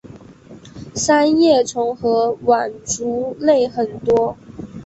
三叶虫和腕足类很多。